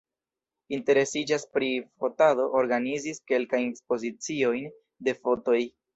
Interesiĝas pri fotado, organizis kelkajn ekspoziciojn de fotoj.